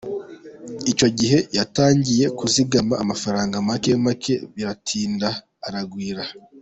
Icyo gihe yatangiye kuzigama amafaranga make make biratinda aragwira.